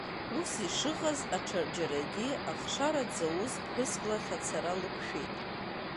Ус ишыҟаз аҽаџьарагьы ахшара дзауз ԥҳәыск лахь ацара лықәшәеит.